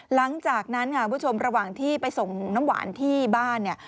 หลังจากนั้นผู้ชมระหว่างที่ไปส่งน้ำหวานที่บ้าน